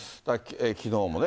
きのうも、ね。